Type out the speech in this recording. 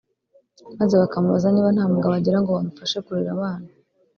maze bakamubaza niba nta mugabo agira ngo bamufashe kurera abana